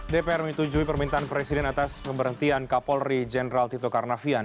dpr menyetujui permintaan presiden atas pemberhentian kapolri jenderal tito karnavian